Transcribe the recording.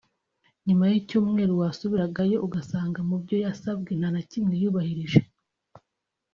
nyuma y’icyumweru wasubirayo ugasanga mu byo yasabwe nta na kimwe yubahirije